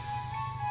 nanti aku ambil